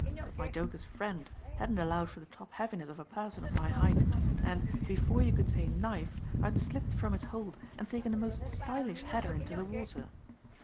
But my jocose friend hadn't allowed for the top heaviness of a person of my height, and, before you could say 'knife,' I had slipped from his hold and taken a most stylish header into the water.